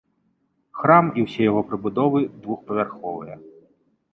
Храм і ўсе яго прыбудовы двухпавярховыя.